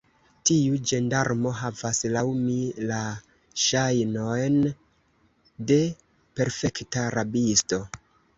Tiu ĝendarmo havas, laŭ mi, la ŝajnon de perfekta rabisto.